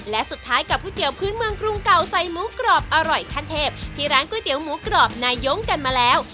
และสุดท้ายกับก๋วยเตี๋ยวพื้นเมืองกรุงเก่าใส่หมูกรอบอร่อยขั้นเทพที่ร้านก๋วยเตี๋ยวหมูกรอบนายงกันมาแล้ว